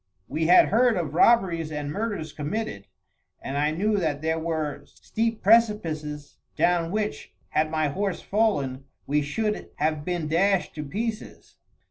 We had heard of robberies and murders committed; and I knew that there were steep precipices, down which, had my horse fallen, we should have been dashed to pieces.